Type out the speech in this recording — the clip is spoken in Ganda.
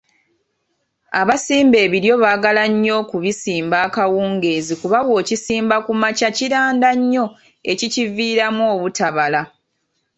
Abasimba ebiryo baagala nnyo okubisimba akawungeezi kuba bw’okisimba ku makya kiranda nnyo ekikiviiramu obutabala.